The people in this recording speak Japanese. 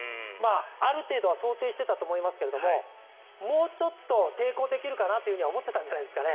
ある程度は想定していたと思いますがもうちょっと抵抗できるかなとは思ってたんじゃないですかね。